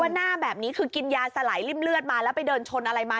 หน้าแบบนี้คือกินยาสลายริ่มเลือดมาแล้วไปเดินชนอะไรมา